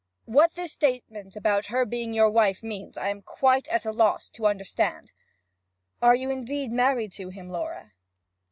What this statement about her being your wife means I am quite at a loss to understand. Are you indeed married to him, Laura?'